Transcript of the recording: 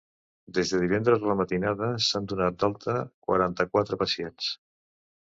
Des de divendres a la matinada s’han donat d’alta quaranta-quatre pacients.